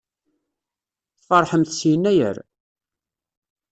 Tfeṛḥemt s Yennayer?